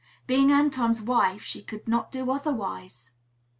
Being Anton's wife, she could not do otherwise.